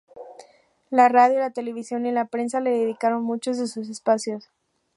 La radio, la televisión y la prensa le dedicaron muchos de sus espacios.